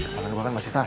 laman laman mas kesar